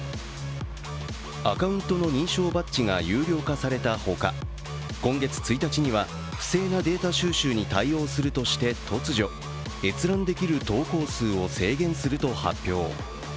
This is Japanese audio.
アカウント認証バッジが有料化されたほか、今月１日には不正なデータ収集に対応するとして突如、閲覧できる投稿数を制限すると発表。